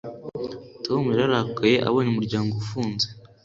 tom yararakaye abonye umuryango ufunze